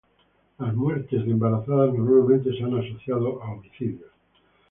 Las muertes de embarazadas normalmente se han asociado a homicidios.